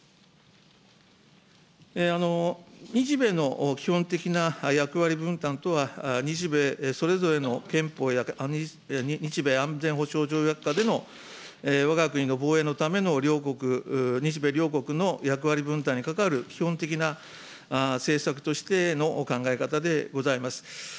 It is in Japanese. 日米の基本的な役割分担とは、日米それぞれの憲法や、日米安全保障条約下でのわが国の防衛のための両国、日米両国の役割分担に関わる基本的な政策としてのお考え方でございます。